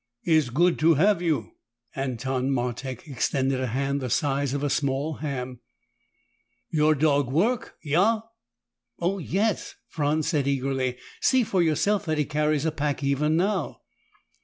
"Is good to have you." Anton Martek extended a hand the size of a small ham. "Your dog work? Yah?" "Oh, yes!" Franz said eagerly. "See for yourself that he carries a pack even now!"